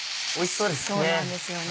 そうなんですよね。